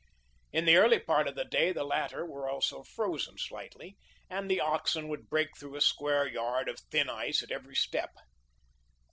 In the early part of the day the latter were also frozen slightly, and the oxen would break through a square yard of thin ice at every step.